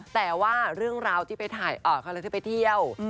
แต่ว่าเรื่องราวที่ไปเที่ยว